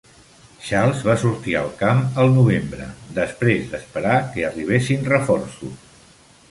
Charles va sortir al camp al novembre després d'esperar que arribessin reforços.